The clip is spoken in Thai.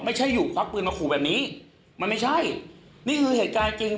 ไม่ใช่อยู่ควักปืนมาขู่แบบนี้มันไม่ใช่นี่คือเหตุการณ์จริง